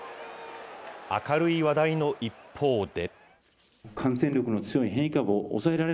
明るい話題の一方で。